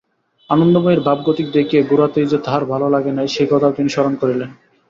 আনন্দময়ীর ভাবগতিক দেখিয়া গোড়াতেই যে তাঁহার ভালো লাগে নাই সে কথাও তিনি স্মরণ করিলেন।